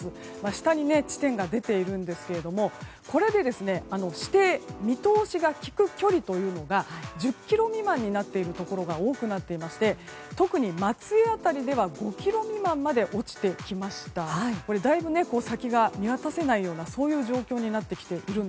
下に地点が出ていますがこれで、視程見通しが利く距離というのが１０ｋｍ未満になっているとこが多くなっていまして特に松江辺りでは５ｋｍ未満まで落ちてきてだいぶ先が見渡せない状況です。